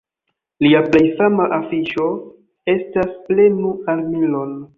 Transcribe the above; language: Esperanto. Lia plej fama afiŝo estas "Prenu armilon!".